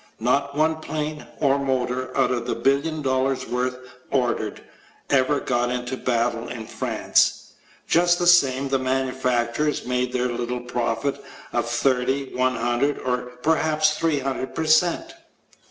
Not one plane, or motor, out of the billion dollars worth ordered, ever got into a battle in France. Just the same the manufacturers made their little profit of 30, 100, or perhaps 300 per cent.